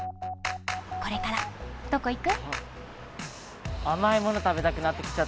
これからどこ行く？